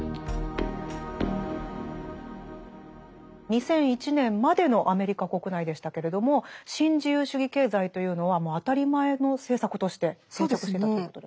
２００１年までのアメリカ国内でしたけれども新自由主義経済というのはもう当たり前の政策として定着してたということで？